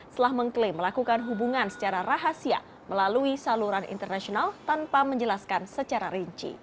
setelah mengklaim melakukan hubungan secara rahasia melalui saluran internasional tanpa menjelaskan secara rinci